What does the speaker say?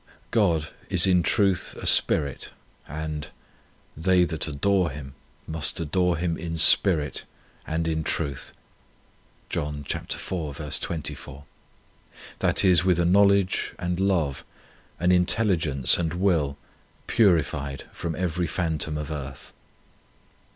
1 God is in truth a Spirit, and " they that adore Him must adore Him in spirit and in truth," 2 that is, with a knowledge and love, an intelligence and will purified from every phantom of earth.